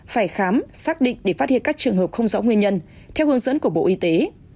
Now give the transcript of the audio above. phải khám xác định để phát hiện các trường hợp không rõ nguyên nhân theo hướng dẫn của bộ y tế